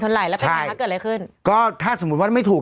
ใช่แล้วมันโกรธมาก